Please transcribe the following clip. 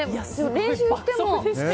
練習しても。